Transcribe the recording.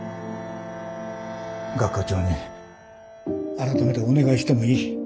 学長に改めてお願いしてもいい。